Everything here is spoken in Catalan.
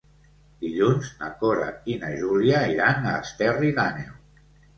Dilluns na Cora i na Júlia iran a Esterri d'Àneu.